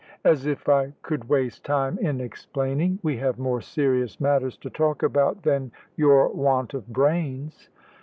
"As if I could waste time in explaining. We have more serious matters to talk about than your want of brains."